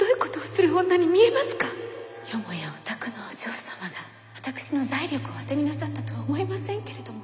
よもやお宅のお嬢様が私の財力を当てになさったとは思いませんけれども。